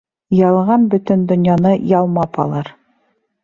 Ялған бөтөн донъяны ялмап алыр.